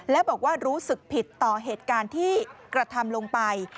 และบอกว่ารู้สึกผิดต่อเหตุการณ์ที่กระทำลงไป